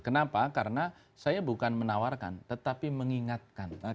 kenapa karena saya bukan menawarkan tetapi mengingatkan